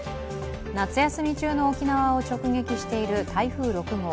夏休み中の沖縄を直撃している台風６号。